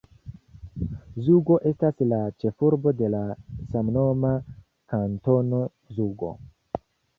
Zugo estas la ĉefurbo de la samnoma Kantono Zugo.